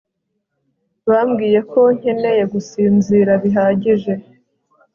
bambwiye ko nkeneye gusinzira bihagije